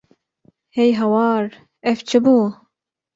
Hey hawar ev çi bû!